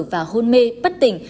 và hôn mê bất tỉnh